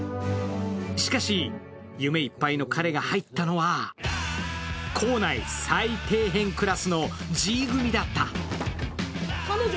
しかし夢いっぱいの彼が入ったのは校内最底辺クラスのＧ組だった。